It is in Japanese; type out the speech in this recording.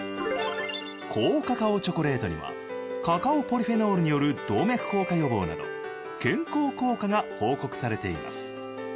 高カカオチョコレートにはカカオポリフェノールによる動脈硬化予防など健康効果が報告されています。